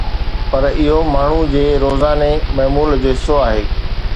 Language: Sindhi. پر اهو ماڻهن جي روزاني معمول جو حصو آهي